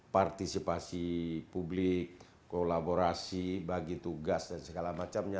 partisipasi publik kolaborasi bagi tugas dan segala macamnya